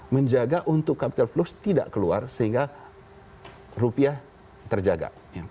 menjaga untuk capital flows tidak keluar sehingga rupiah terjaga